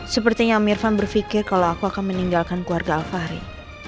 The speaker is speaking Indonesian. sepertinya om irfan berfikir kalau aku akan meninggalkan keluarga alvari